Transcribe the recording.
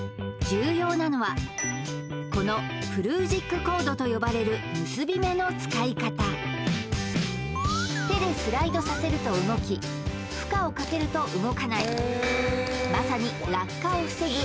重要なのはこのプルージックコードと呼ばれる結び目の使い方手でスライドさせると動き負荷をかけると動かないまさに落下を防ぐ